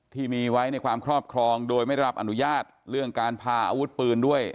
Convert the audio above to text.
ที่มีไว้ในความครอบครองโดยไม่รับอนุญาตเรื่องการพาอาวุธปืนด้วย